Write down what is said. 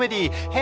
「へ！